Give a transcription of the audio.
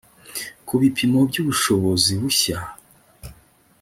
ku bipimo by ubushobozi bushya